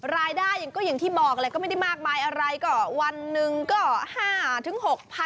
รายได้ก็อย่างที่บอกแหละก็ไม่ได้มากมายอะไรก็วันหนึ่งก็๕๖๐๐๐